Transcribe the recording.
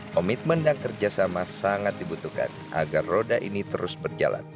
komitmen dan kerjasama sangat dibutuhkan agar roda ini terus berjalan